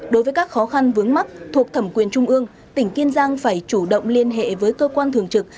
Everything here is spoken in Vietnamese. đối với các khó khăn vướng mắt thuộc thẩm quyền trung ương tỉnh kiên giang phải chủ động liên hệ với cơ quan thường trực